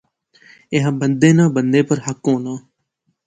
ایہہ بندے ناں بندے اپر حق ہونا